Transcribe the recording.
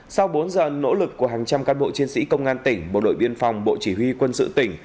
sau bốn giờ nỗ lực của hàng trăm cán bộ chiến sĩ công an tỉnh bộ đội biên phòng bộ chỉ huy quân sự tỉnh